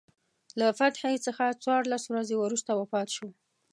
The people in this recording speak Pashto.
له فتحې څخه څوارلس ورځې وروسته وفات شو.